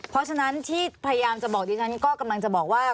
เพราะฉะนั้นที่พยายามจะบอกดิฉันก็กำลังจะบอกว่า